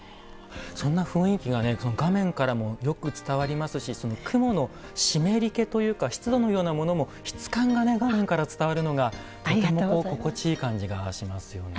そんな雰囲気が画面からもよく伝わりますし雲の湿り気というか湿度のようなものも質感が画面から伝わるのがとても心地いい感じがしますよね。